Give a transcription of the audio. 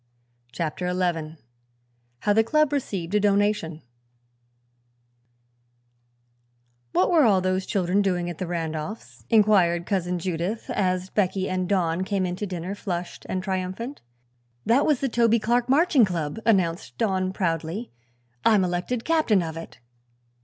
CHAPTER XI HOW THE CLUB RECEIVED A DONATION "What were all those children doing at the Randolphs?" inquired Cousin Judith, as Becky and Don came in to dinner, flushed and triumphant. "That was the Toby Clark Marching Club," announced Don, proudly. "I'm elected captain of it."